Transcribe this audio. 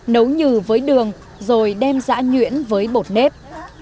nấu nhừ với đường rồi đem giã nhuyễn với bột nếp